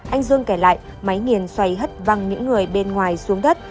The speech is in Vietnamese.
anh dương kể lại máy nghiền xoay hất văng những người bên ngoài xuống đất